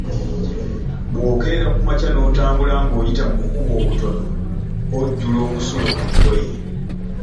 Bwokeera ku makya n'otambula ng'oyita mu bukubo obutono ojjula omusulo ku lugoye.